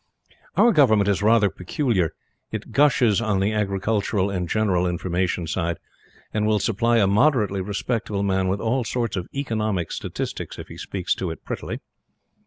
Our Government is rather peculiar. It gushes on the agricultural and general information side, and will supply a moderately respectable man with all sorts of "economic statistics," if he speaks to it prettily.